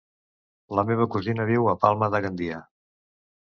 La meva cosina viu a Palma de Gandia.